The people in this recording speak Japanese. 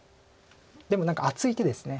でも何か厚い手です。